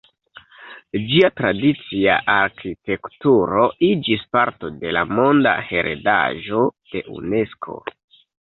Ĝia tradicia arkitekturo iĝis parto de la Monda heredaĵo de Unesko.